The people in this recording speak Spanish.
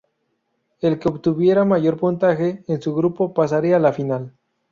El que obtuviera mayor puntaje en su grupo, pasaría a la final.